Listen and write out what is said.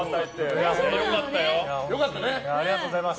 ありがとうございます。